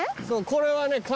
そうこれはね